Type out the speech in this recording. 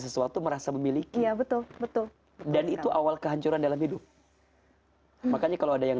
sesuatu merasa memiliki ya betul betul dan itu awal kehancuran dalam hidup makanya kalau ada yang